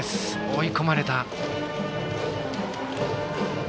追い込まれた。